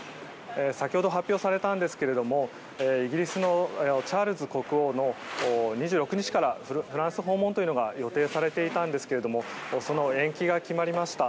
先ほど発表されたんですがイギリスのチャールズ国王２６日からフランス訪問というのが予定されていたんですがその延期が決まりました。